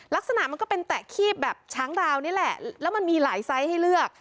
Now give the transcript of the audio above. ลักษณะมันก็เป็นแตะคีบแบบช้างดาวนี่แหละแล้วมันมีหลายไซส์ให้เลือก